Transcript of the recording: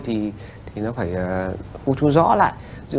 thì nó phải hư chú rõ lại